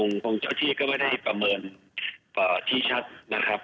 คงเจ้าที่ก็ไม่ได้ประเมินที่ชัดนะครับ